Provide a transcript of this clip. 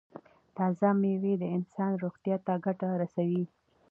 تازه میوه د انسان روغتیا ته ګټه رسوي.